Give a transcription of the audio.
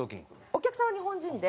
お客さんは日本人で。